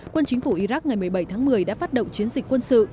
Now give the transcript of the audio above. quân chính phủ iraq ngày một mươi bảy tháng một mươi đã phát động chiến dịch quân sự